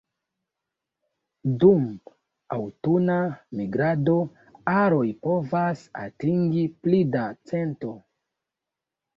Dum aŭtuna migrado aroj povas atingi pli da cento.